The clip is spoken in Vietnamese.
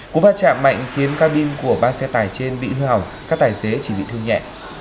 cú va chạm mạnh khiến cabin của ba xe tải trên bị hư hỏng các tài xế chỉ bị thương nhẹ